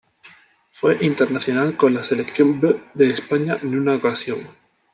Fue internacional con la "selección B" de España en una ocasión.